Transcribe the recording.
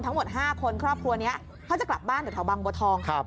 ทั้งหมด๕คนครอบครัวนี้เขาจะกลับบ้านแถวบางบัวทอง